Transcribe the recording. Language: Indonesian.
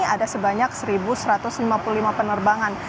ada sebanyak satu satu ratus lima puluh lima penerbangan